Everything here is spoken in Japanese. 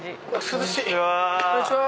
こんにちは！